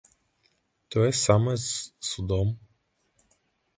Тое самае з судом.